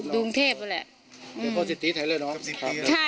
ดุงเทพแหละ